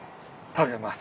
食べます。